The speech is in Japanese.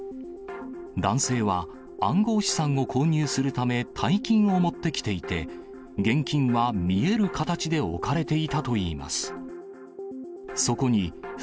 男性は、暗号資産を購入するため、大金を持ってきていて、現金は見える形で置かれていたといいます。